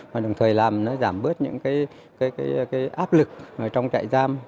và đồng thời làm giảm bớt những áp lực trong trại giam